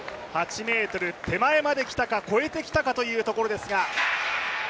８ｍ手前まで来たか、越えてきたかというところですが。